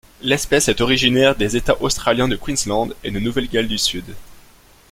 L'espèce est originaire des États australiens du Queensland et de Nouvelle-Galles du Sud.